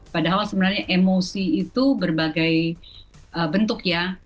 padahal sebenarnya emosi itu berbagai bentuk ya